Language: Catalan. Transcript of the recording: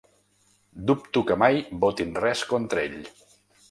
Dubto que mai votin res contra ell.